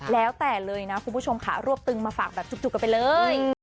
แล้วแต่เลยนะคุณผู้ชมค่ะรวบตึงมาฝากแบบจุกกันไปเลย